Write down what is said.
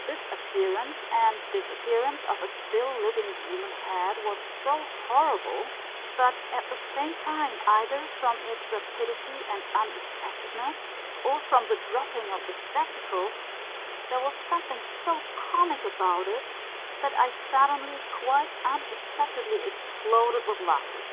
This appearance and disappearance of a still living human head was so horrible, but at the same either from its rapidity and unexpectedness or from the dropping of the spectacles there was something so comic about it that I suddenly quite unexpectedly exploded with laughter.